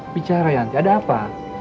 bicara ya nanti ada apa